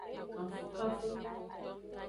Kanfukanfu.